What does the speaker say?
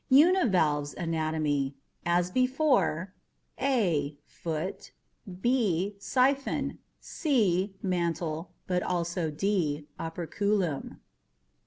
UNIVALVE'S anatomy: As before, a) foot, b) siphon, c) mantle, but also d) operculum.